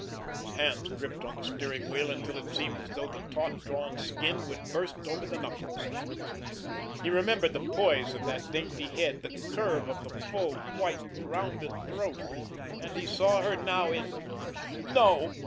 His hands gripped on the steering wheel until it seemed as though the taut drawn skin would burst over the knuckles. He remembered the poise of that dainty head, the curve of the full, white, rounded throat, and he saw her now in—— No!